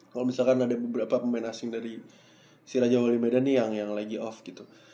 kalau misalkan ada beberapa pemain asing dari si raja wali medan nih yang lagi off gitu